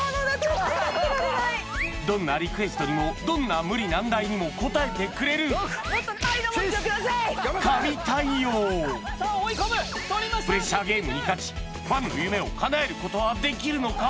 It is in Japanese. どんなリクエストにもどんな無理難題にも応えてくれる神対応プレッシャーゲームに勝ちファンの夢をかなえることはできるのか？